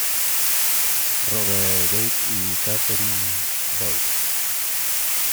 Robert Gage y Catherine Boyd.